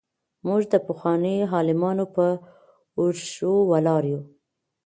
موږ د پخوانيو عالمانو په اوږو ولاړ يو.